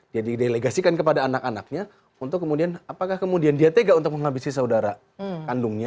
jadi delegasikan kepada anak anaknya untuk kemudian apakah kemudian dia tega untuk menghabisi saudara kandungnya